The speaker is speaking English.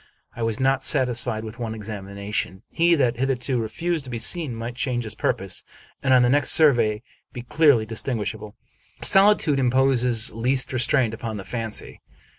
I was not satisfied with one examination. He that hitherto refused to be seen might change his purpose, and on the next survey be clearly distinguishable. Solitude imposes least restraint upon the fancy.